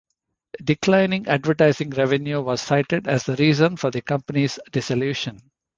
Declining advertising revenue was cited as the reason for the company's dissolution.